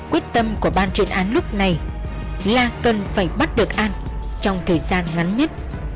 quyết tâm của ban chuyên án lúc này là cần phải bắt được an trong thời gian ngắn nhất